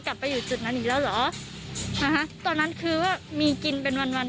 กลับไปอยู่จุดนั้นอีกแล้วเหรอนะคะตอนนั้นคือว่ามีกินเป็นวันวัน